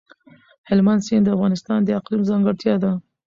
هلمند سیند د افغانستان د اقلیم ځانګړتیا ده.